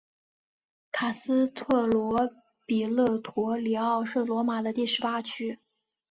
卡斯特罗比勒陀里奥是罗马的第十八区。